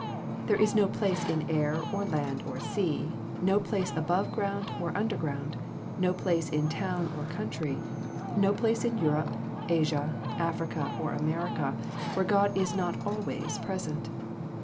There is no place in air or land or sea, no place above ground or under ground, no place in town or country, no place in Europe, Asia, Africa, or America, where God is not always present.